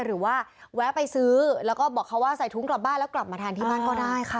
หรือว่าแวะไปซื้อแล้วก็บอกเขาว่าใส่ถุงกลับบ้านแล้วกลับมาทานที่บ้านก็ได้ค่ะ